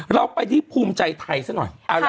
เราไปที่ภูมิใจไทยซะหน่อย